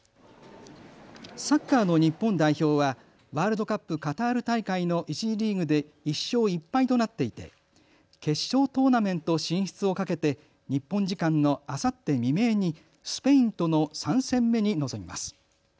サッカーの日本代表はワールドカップカタール大会の１次リーグで１勝１敗となっていて、決勝トーナメント進出をかけて日本時間のあさって未明にスペインとの３戦目に臨みます。